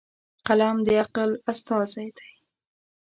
قلم د عقل استازی دی.